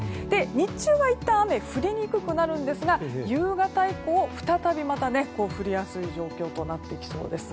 日中はいったん雨が降りにくくなるんですが夕方以降、再びまた降りやすい状況となってきそうです。